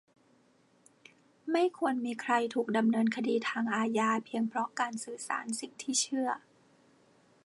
- ไม่ควรมีใครถูกดำเนินคดีทางอาญาเพียงเพราะการสื่อสารสิ่งที่เชื่อ